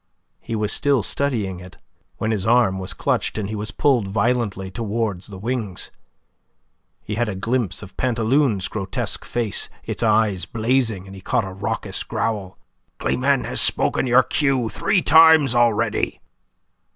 He was still studying it, when his arm was clutched, and he was pulled violently towards the wings. He had a glimpse of Pantaloon's grotesque face, its eyes blazing, and he caught a raucous growl: "Climene has spoken your cue three times already."